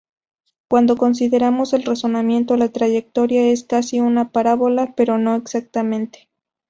Cuando consideramos el rozamiento la trayectoria es casi una parábola pero no exactamente.